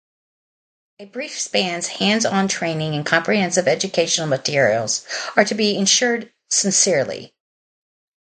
A brief span hands-on training and comprehensive educational materials are to be ensured sincerely.